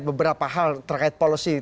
beberapa hal terkait polosi